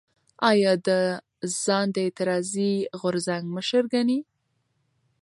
ایا ده ځان د اعتراضي غورځنګ مشر ګڼي؟